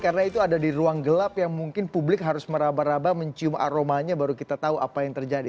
karena itu ada di ruang gelap yang mungkin publik harus meraba raba mencium aromanya baru kita tahu apa yang terjadi